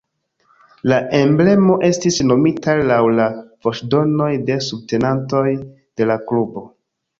La emblemo estis nomita laŭ la voĉdonoj de subtenantoj de la klubo.